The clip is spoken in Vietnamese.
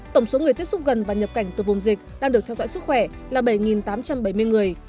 tổng số người tiếp xúc gần và nhập cảnh từ vùng dịch đang được theo dõi sức khỏe là bảy tám trăm bảy mươi người